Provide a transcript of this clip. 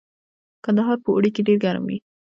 کندهار په اوړي کې ډیر ګرم وي